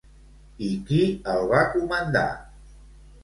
I qui el va comandar?